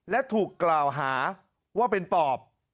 และถูกกล่าวหาว่าเป็นปอบ